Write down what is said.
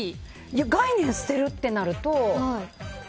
概念、捨てるってなると。